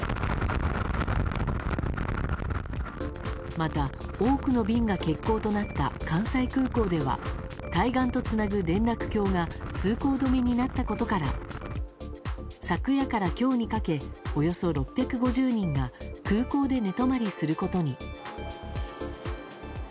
また、多くの便が欠航となった関西空港では対岸とつなぐ連絡橋が通行止めになったことから昨夜から今日にかけおよそ６５０人が空港で寝泊まりすることに。